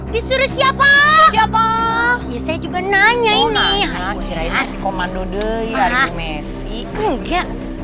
disuruh siapa siapa ya saya juga nanya ini haji reaksi komando deyari messi juga